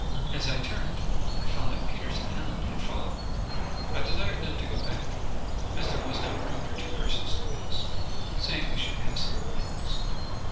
As I turned, I found that Peters and Allen had followed me. I desired them to go back, as there was not room for two persons to pass, saying they should have some of my nuts.